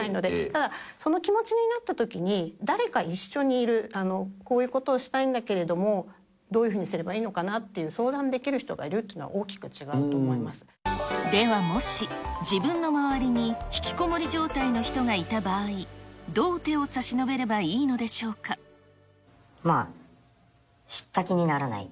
ただ、その気持ちになったときに、誰か一緒にいる、こういうことをしたいんだけれども、どういうふうにすればいいのかなっていう、相談できる人がいるっていうのは大きく違うと思いでは、もし、自分の周りにひきこもり状態の人がいた場合、どう手を差し伸べれ知った気にならない。